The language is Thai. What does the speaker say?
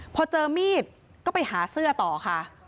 พอเจอมีดก็ไปหาเสื้อต่อค่ะ